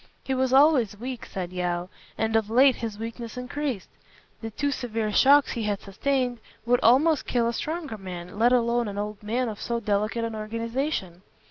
"He was always weak," said Yeo, "and of late his weakness increased. The two severe shocks he has sustained would almost kill a stronger man, let alone an old man of so delicate an organization.